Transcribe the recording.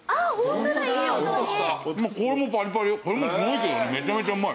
これもすごいけどねめちゃめちゃうまい。